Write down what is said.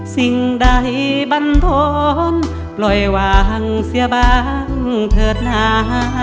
สิ่งใดบันทนปล่อยวางเสียบางเถิดหนา